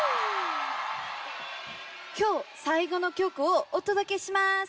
今日最後の曲をお届けします！